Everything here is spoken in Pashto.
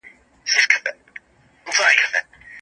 د لويي جرګې ډېر پخواني تاریخي اسناد اوس مهال چېرته موندل کېږي؟